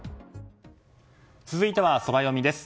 続いては、ソラよみです。